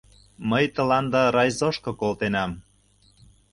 — Мый тыланда райзошко колтенам.